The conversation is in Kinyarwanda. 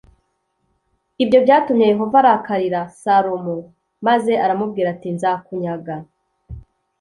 ibyo byatumye yehova arakarira salomo, maze aramubwira ati “nzakunyaga”